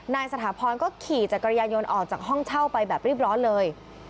สถาพรก็ขี่จักรยานยนต์ออกจากห้องเช่าไปแบบรีบร้อนเลย